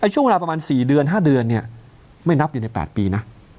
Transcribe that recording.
ช่วงเวลาประมาณ๔เดือน๕เดือนไม่นับอยู่ใน๘ปีนะ